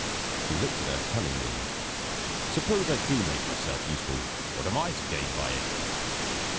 He looked at her cunningly. "Suppose I do make myself useful, what am I to gain by it?"